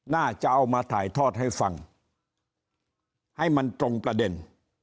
น่าจะเอามาถ่ายทอดให้ฟังให้มันตรงประเด็น